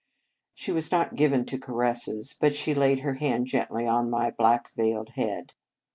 She was not given to caresses, but she laid her hand gently on my black veiled head.